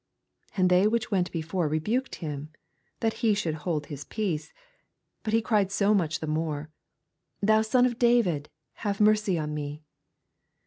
89 And they which went before rebuked him, that he should bold his peace : but he cried so much the mor« , Thou Son of David, have mercy on sLe.